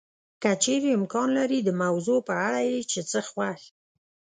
که چېرې امکان لري د موضوع په اړه یې چې څه خوښ